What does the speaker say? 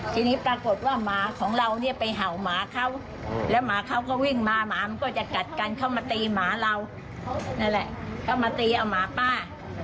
ทีนี้ปรากฏว่าหมาของเราเนี่ยไปเห่าหมาเขาแล้วหมาเขาก็วิ่งมาหมามันก็จะกัดกันเข้ามาตีหมาเรานั่นแหละเข้ามาตีเอาหมาป้า